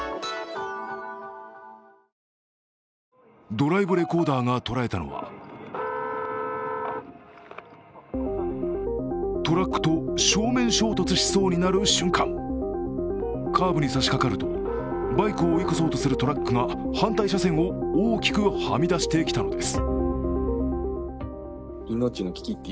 ドライブレコーダーが捉えたのはカーブに差しかかると、バイクを追い越そうとするトラックが反対車線を大きくはみ出してきたのです。